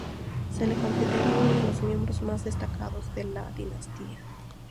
Se le considera uno de los miembros más destacados de la dinastía.